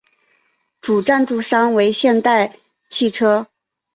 主赞助商为现代汽车。